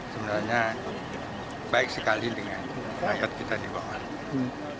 sebenarnya baik sekali dengan rakyat kita di banggar